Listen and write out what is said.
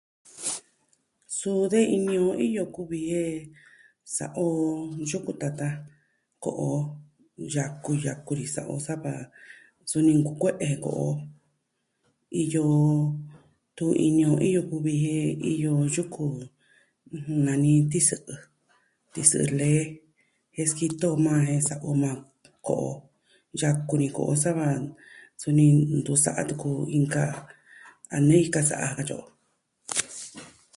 Suu de ini o iyo kuvi jen sa'a o yuku tatan, ko'o yaku yaku ni sa'a o sava suni ntu kue'e je ko'o o. Iyo... detun ini o, iyo kuvi jen iyo yuku, ɨjɨn, nani tisɨ'ɨ, tisɨ'ɨ lee jen sikitɨ o majan jen sa'a o majan ko'o, yaku ni ko'o o, sava suni ntu sa'a tuku ju inka a nee jika sa'a ja katyi o.